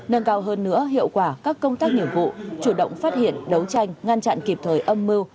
nâng cao hơn nữa hiệu quả các công tác nhiệm vụ chủ động phát hiện đấu tranh ngăn chặn kịp thời âm mưu